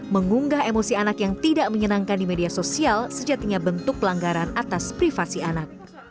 mengunggah emosi anak yang tidak menyenangkan di media sosial sejatinya bentuk pelanggaran atas privasi anak